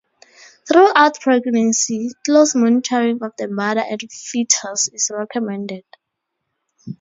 Throughout pregnancy, close monitoring of the mother and fetus is recommended.